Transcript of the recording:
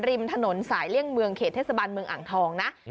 ริมถนนสายเลี่ยงเมืองเขตเทศบาลเมืองอ่างทองนะ